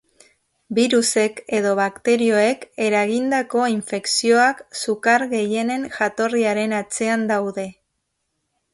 Birusek edo bakterioek eragindako infekzioak sukar gehienen jatorriaren atzean daude.